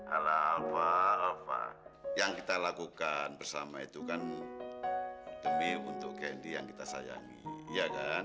alva alva yang kita lakukan bersama itu kan demi untuk candy yang kita sayangi iya kan